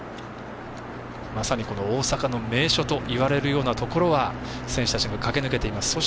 まさに大阪の名所といわれるようなところを選手たちが駆け抜けています。